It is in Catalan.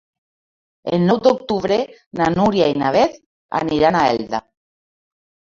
El nou d'octubre na Núria i na Beth aniran a Elda.